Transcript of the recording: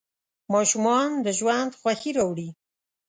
ماشومان د ژوند خوښي راوړي.